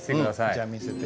じゃあ見せて。